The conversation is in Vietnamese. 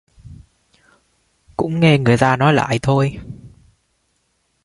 Cũng nghe người ta nói lại thôi